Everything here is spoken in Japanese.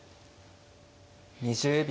２０秒。